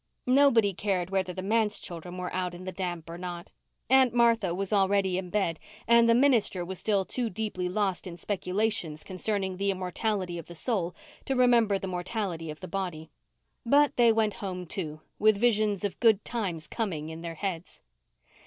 Nobody cared whether the manse children were out in the damp or not. Aunt Martha was already in bed and the minister was still too deeply lost in speculations concerning the immortality of the soul to remember the mortality of the body. But they went home, too, with visions of good times coming in their heads.